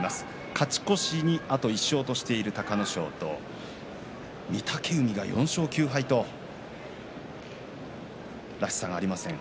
勝ち越しにあと１勝としている隆の勝と御嶽海が４勝９敗とらしさがありません。